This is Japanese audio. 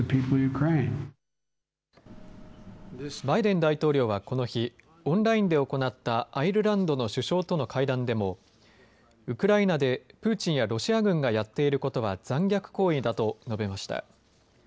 バイデン大統領はこの日、オンラインで行ったアイルランドの首相との会談でもウクライナでプーチンやロシア軍がやっていることは残虐行為だと述べました。